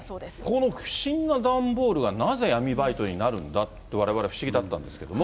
この不審な段ボールがなぜ闇バイトになるんだって、われわれ不思議だったんですけれども。